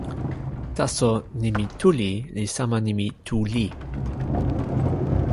taso, nimi “tuli” li sama nimi “tu li”.